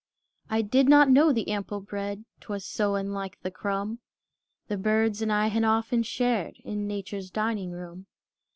I did not know the ample bread, 'T was so unlike the crumb The birds and I had often shared In Nature's dining room.